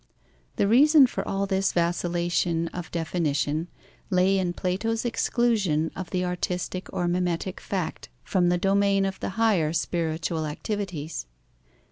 The reason for all this vacillation of definition lay in Plato's exclusion of the artistic or mimetic fact from the domain of the higher spiritual activities.